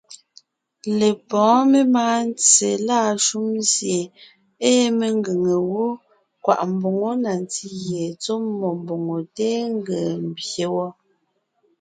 Lepɔ́ɔn memáa ntse lâ shúm sie ée mengʉ̀ŋe wó kwaʼ mboŋó na ntí gie tsɔ́ mmó mbòŋo téen ńgee ḿbyé wɔ́,